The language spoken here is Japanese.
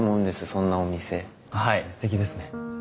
そんなお店はいすてきですね